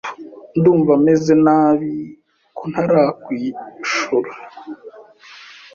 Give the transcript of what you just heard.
Ndumva meze nabi ko ntarakwishura.